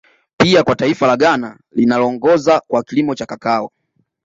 Pia kwa taifa la Ghana linaongoza kwa kilimo cha Kakao